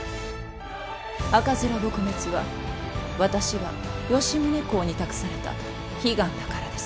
赤面撲滅は私が吉宗公に託された悲願だからです。